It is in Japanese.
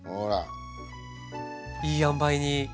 いいあんばいに。